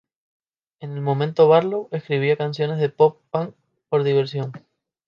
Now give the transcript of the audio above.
En el momento Barlow escribía canciones pop punk por diversión.